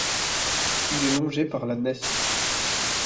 Il est longé par la Neste.